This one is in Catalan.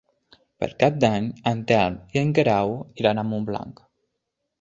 Per Cap d'Any en Telm i en Guerau iran a Montblanc.